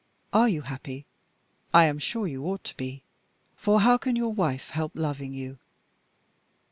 Are you happy? I am sure you ought to be; for how can your wife help loving you?